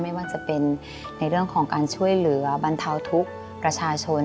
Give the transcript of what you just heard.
ไม่ว่าจะเป็นในเรื่องของการช่วยเหลือบรรเทาทุกข์ประชาชน